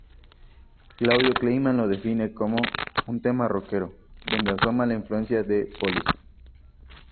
Claudio Kleiman lo define como un "tema rockero "donde asoma la influencia de Police".